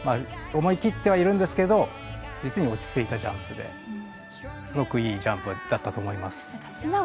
思い切っているんですけど実に落ち着いたジャンプですごくいいジャンプだったと思います。